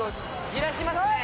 じらしますね。